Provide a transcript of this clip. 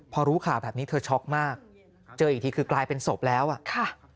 พอรู้ข่าวแบบนี้เธอช็อกมากเจออีกทีคือกลายเป็นศพแล้วอ่ะค่ะ